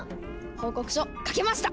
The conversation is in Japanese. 報告書書けました！